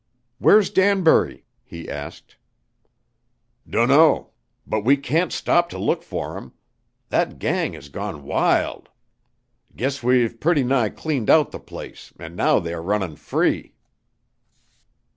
"Where's Danbury?" he asked. "Dunno. But we can't stop to look for him. That gang has gone wild. Guess we've pretty nigh cleaned out the place an' now they are runnin' free."